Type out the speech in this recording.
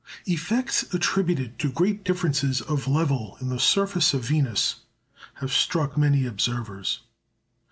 Effects attributed to great differences of level in the surface of Venus have struck many observers.